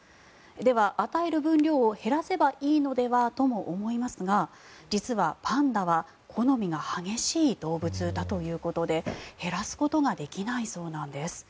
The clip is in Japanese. では、与える分量を減らせばいいのではとも思いますが実はパンダは好みが激しい動物だということで減らすことができないそうなんです。